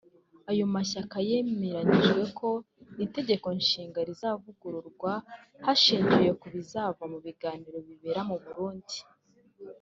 Ayo mashyaka yemeranyijwe ko Itegeko Nshinga rizavugururwa hashingiwe ku bizava mu biganiro bibera mu Burundi